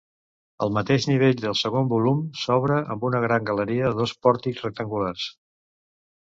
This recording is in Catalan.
El mateix nivell del segon volum s'obre amb una gran galeria de dos pòrtics rectangulars.